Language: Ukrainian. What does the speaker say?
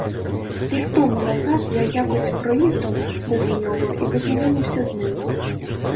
Рік тому назад я якось проїздом був у нього і познайомився з ним.